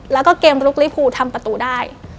แล้วก็เกมลุกลิภูทำประตูได้